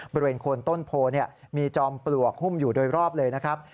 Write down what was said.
บริเวณโคนต้นโพมีจอมปลวกหุ้มอยู่โดยรอบเลยนะครับ